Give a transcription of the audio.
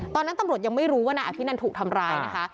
ตอนนั้นตำรวจยังไม่รู้ว่านายอภินันถูกทำร้ายนะคะ